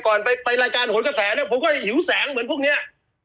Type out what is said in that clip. ก่อนไปรายการหนกระแสเนี่ยผมก็จะหิวแสงเหมือนพวกนี้